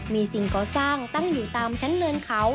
มีสิ่งก่อสร้างตั้งอยู่ตามชั้นเนินเขา